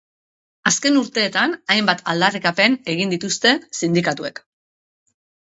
Azken urteetan hainbat aldarrikapen egin dituzte sindikatuek.